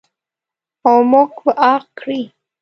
او موږ به عاق کړي.